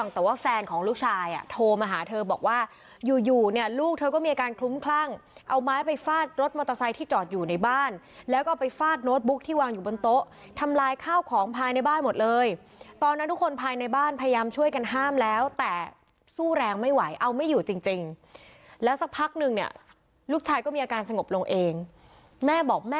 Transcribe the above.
แต่ว่าแฟนของลูกชายอ่ะโทรมาหาเธอบอกว่าอยู่อยู่เนี่ยลูกเธอก็มีอาการคลุ้มคลั่งเอาไม้ไปฟาดรถมอเตอร์ไซค์ที่จอดอยู่ในบ้านแล้วก็ไปฟาดโน้ตบุ๊กที่วางอยู่บนโต๊ะทำลายข้าวของภายในบ้านหมดเลยตอนนั้นทุกคนภายในบ้านพยายามช่วยกันห้ามแล้วแต่สู้แรงไม่ไหวเอาไม่อยู่จริงแล้วสักพักนึงเนี่ยลูกชายก็มีอาการสงบลงเองแม่บอกแม่